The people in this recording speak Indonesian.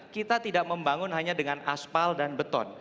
kita tidak membangun hanya dengan aspal dan beton